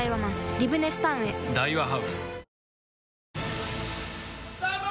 リブネスタウンへどうも！